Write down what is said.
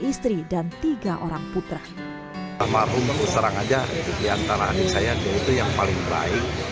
istri dan tiga orang putra almarhum itu serang aja diantara adik saya yaitu yang paling baik